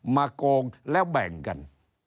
โกงแล้วแบ่งกัน